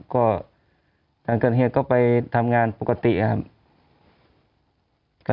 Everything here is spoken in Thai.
ก็หลังเกิดเหตุก็ไปทำงานปกตินะครับ